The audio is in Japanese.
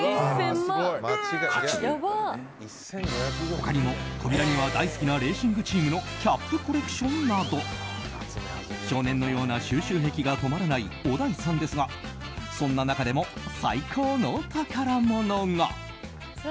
他にも、扉には大好きなレーシングチームのキャップコレクションなど少年のような収集癖が止まらない小田井さんですがそんな中でも最高の宝物が。